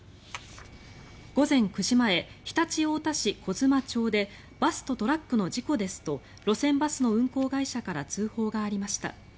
午前９時前、常陸太田市小妻町でバスとトラックの事故ですと路線バスの運行会社から通報がありました。